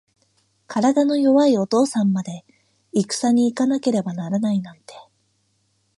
体の弱いお父さんまで、いくさに行かなければならないなんて。